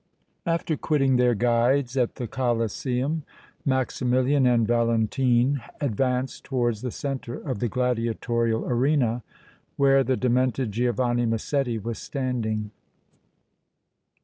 After quitting their guides at the Colosseum Maximilian and Valentine advanced towards the centre of the gladiatorial arena where the demented Giovanni Massetti was standing.